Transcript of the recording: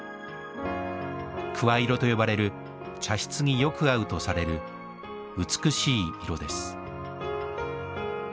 桑色と呼ばれる茶室によく合うとされる美しい色です。